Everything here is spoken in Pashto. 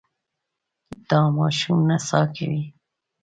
دا ماشوم نڅا کوي.